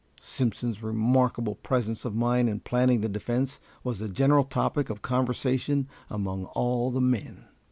Simpson's remarkable presence of mind in planning the defense was the general topic of conversation among all the men.